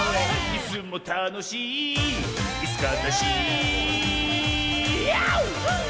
「いすもたのしいいすかたし」